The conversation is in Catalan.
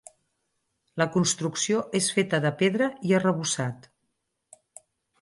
La construcció és feta de pedra i arrebossat.